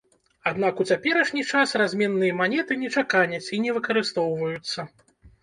Аднак у цяперашні час разменныя манеты не чаканяць і не выкарыстоўваюцца.